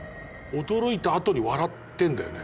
驚いた後に笑ってんだよね。